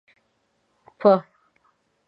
په